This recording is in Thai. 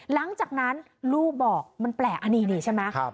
หลังจากนั้นลูกบอกมันแปลกอันนี้นี่ใช่ไหม